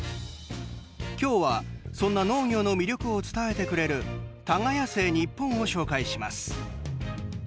今日はそんな農業の魅力を伝えてくれる「タガヤセ！日本」を紹介します。